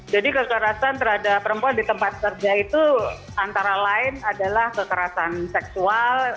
jadi kekerasan terhadap perempuan di tempat kerja itu antara lain adalah kekerasan seksual